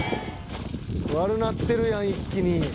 「悪なってるやん一気に」